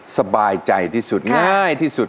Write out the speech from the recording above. สบายใจที่สุดง่ายที่สุด